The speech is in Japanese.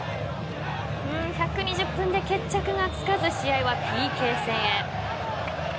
１２０分で決着がつかず試合はＰＫ戦へ。